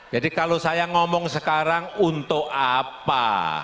kalau saya ngomong sekarang untuk apa